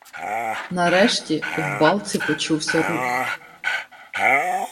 Нарешті в балці почувся рух.